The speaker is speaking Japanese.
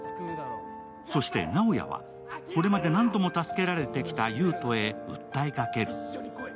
そして、直哉はこれまで何度も助けられてきた優斗へ訴えかける。